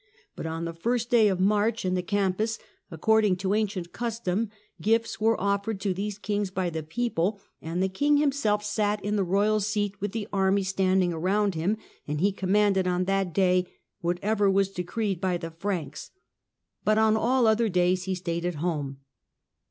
... But on the first day of March in the Campus, according to ancient customj gifts were offered to these kings by the people, and the king himself sat in the royal seat with the army standing around him, and he commanded on that day whatever' was decreed by the Franks, but on all other days he stayed at home.